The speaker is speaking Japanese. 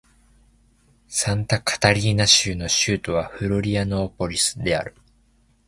サンタカタリーナ州の州都はフロリアノーポリスである